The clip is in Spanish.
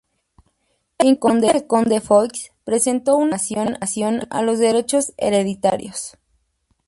Incluso el conde de Foix presentó una reclamación a los derechos hereditarios.